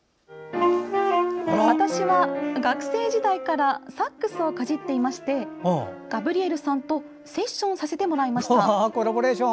私は学生時代からサックスをかじっていましてガブリエルさんとセッションさせてもらいました。